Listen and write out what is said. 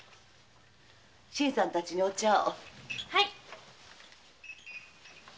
新さんたちにお茶を。